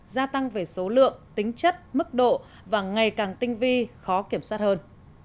gia tăng về số lượng tính chất mức độ và ngày càng tinh vi khó kiểm soát hơn